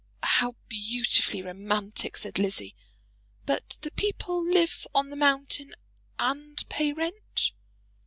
"How beautifully romantic!" said Lizzie. "But the people live on the mountain and pay rent?"